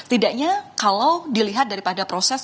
setidaknya kalau dilihat daripada proses